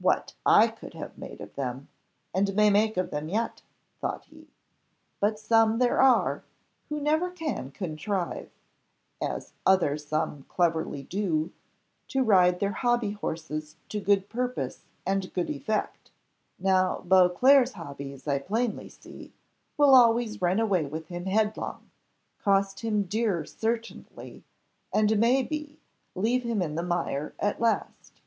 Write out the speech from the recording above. "What I could have made of them! and may make of them yet," thought he; "but some there are, who never can contrive, as other some cleverly do, to ride their hobby horses to good purpose and good effect; now Beauclerc's hobbies, I plainly see, will always run away with him headlong, cost him dear certainly, and, may be, leave him in the mire at last."